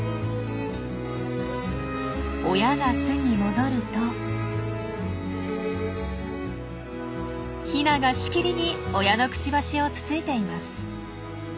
親が巣に戻るとヒナがしきりに親のくちばしをつついています。